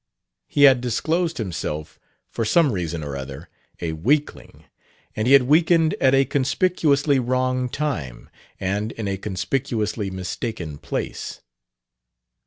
He had disclosed himself, for some reason or other, a weakling; and he had weakened at a conspicuously wrong time and in a conspicuously mistaken place.